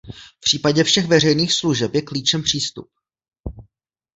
V případě všech veřejných služeb je klíčem přístup.